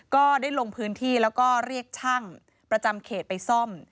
ก็ได้ลงพื้นที่แล้วก็เรียกช่างประจำเขตไปซ่อม